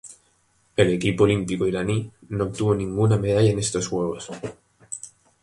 El equipo olímpico iraní no obtuvo ninguna medalla en estos Juegos.